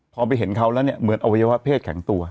พอไปเห็นเขาแล้วเนี่ยเหมือนอวัยวะเพศแข็งตัว